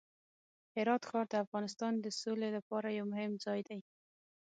هرات ښار د افغانستان د سولې لپاره یو مهم ځای دی.